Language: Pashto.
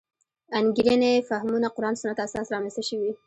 انګېرنې فهمونه قران سنت اساس رامنځته شوې.